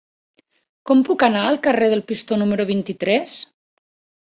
Com puc anar al carrer del Pistó número vint-i-tres?